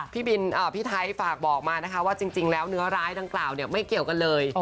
พี่ไทยฝากบอกมานะคะว่าจริงแล้วเนื้อร้ายดังกล่าวไม่เกี่ยวกันเลย